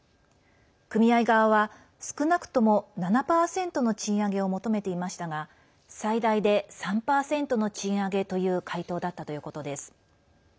組合側は、少なくとも７％の賃上げを求めていましたが最大で３％の賃上げという回答だったということです。